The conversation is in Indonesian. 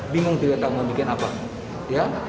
bingung tidak tahu membuat apa